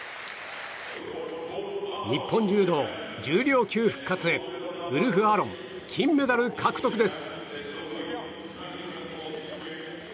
日本柔道、重量級復活へウルフ・アロン金メダル獲得です。